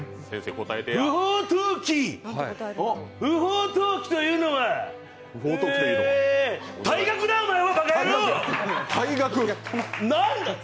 不法投棄不法投棄といいうのはえー、退学だ、お前は、ばか野郎！